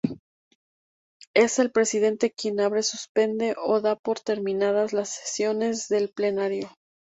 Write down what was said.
Es el Presidente quien abre, suspende o da por terminadas las sesiones del Plenario.